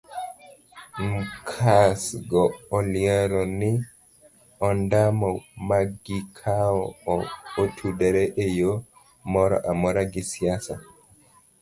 Mcas go olero ni ondamo magikawo ok otudore eyo moro amora gi siasa.